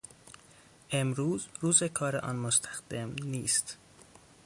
امروز روز کار آن مستخدم نیست.